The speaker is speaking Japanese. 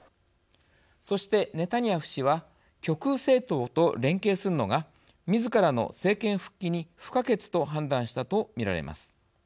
そして、ネタニヤフ氏は極右政党と連携するのがみずからの政権復帰に不可欠と判断したと見られます。